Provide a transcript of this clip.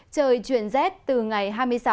trời chuyển rét từ ngày hai mươi sáu